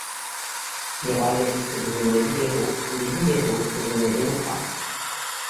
Les royalistes devenaient libéraux, les libéraux devenaient démocrates.